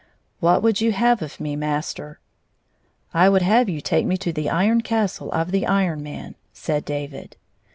" What would you have of me, master ?"" I would have you take me to the Iron Castle of the Iron Man," said David.